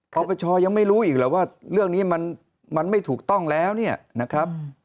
ปปชยังไม่รู้อีกแล้วว่าเรื่องนี้มันไม่ถูกต้องแล้วเนี่ยนะครับ